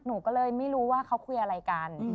หนูก็เลยไม่รู้ว่าเขาคุยอะไรกัน